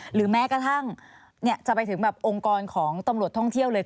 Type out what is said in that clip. หรือแม้กระทั่งจะไปถึงแบบองค์กรของตำรวจท่องเที่ยวเลย